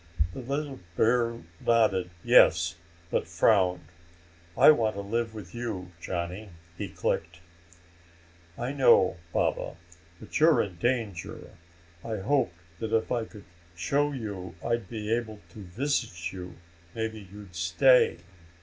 The little bear nodded yes, but frowned. "I want to live with you, Johnny," he clicked. "I know, Baba. But you're in danger. I hoped that if I could show you I'd be able to visit you, maybe you'd stay."